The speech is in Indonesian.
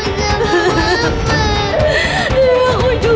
iya aku juga sayang mama juga